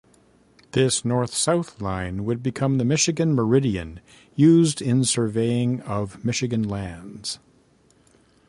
This north-south line would become the Michigan Meridian used in surveying of Michigan lands.